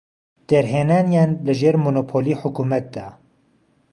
دەرهێنانیان لە ژێر مۆنۆپۆلی حکومەتدا.